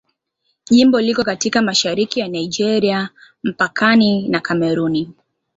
Jimbo liko katika mashariki ya Nigeria, mpakani wa Kamerun.